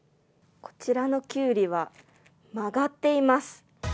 こちらのきゅうりは曲がっています。